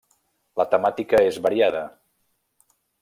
La temàtica és variada.